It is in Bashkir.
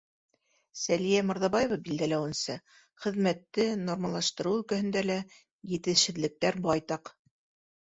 Сәлиә Мырҙабаева билдәләүенсә, хеҙмәтте нормалаштырыу өлкәһендә лә етешһеҙлектәр байтаҡ.